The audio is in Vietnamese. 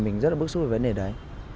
mình rất là bức xúc về vấn đề đấy